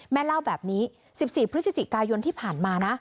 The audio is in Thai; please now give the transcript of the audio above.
แม่เล่าแบบนี้๑๔พฤศจิกายนที่ผ่านมานะ